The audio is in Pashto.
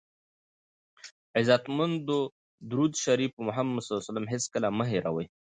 عزتمندو درود شریف په محمد ص هېڅکله مه هیروئ!